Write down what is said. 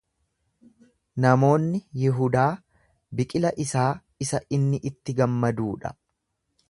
Namoonni Yihudaa biqila isaa isa inni itti gammaduu dha.